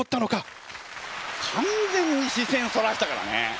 完全に視線そらしたからね。